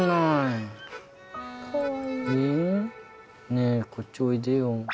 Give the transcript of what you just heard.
ねぇこっちおいでよ。